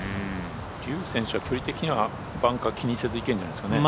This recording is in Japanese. リュー選手は距離的にはバンカー気にせずいけるんじゃないですかね。